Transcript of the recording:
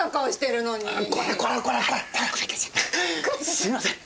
すみません。